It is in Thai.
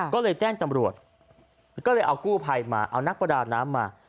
ก็เลยแจ้งตำรวจก็เลยเอากู้ภัยมาเอานักประดาน้ำมา